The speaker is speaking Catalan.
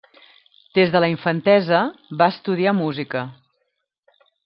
Des de la infantesa, va estudiar música.